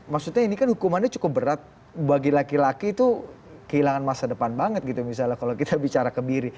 maksudnya ini kan hukumannya cukup berat bagi laki laki itu kehilangan masa depan banget gitu misalnya kalau kita bicara kebiri